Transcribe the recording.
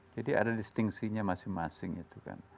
jadi ada distingsinya masing masing itu kan